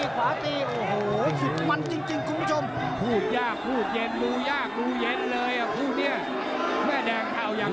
ขอยังเตะแล้วต้องเชื่อมันตัวเอง